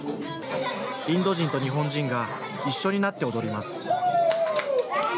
インド人と日本人が一緒になって踊ります。